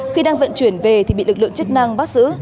khi đang vận chuyển về thì bị lực lượng chức năng bắt giữ